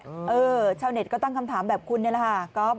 เช่าในอายุเคราะห์ก็ตั้งคำถามแบบคุณนี่ล่ะครับ